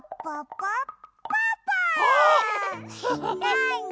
なに？